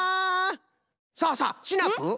さあさあシナプー。